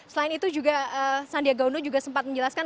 selain itu juga sandiaga uno juga sempat menjelaskan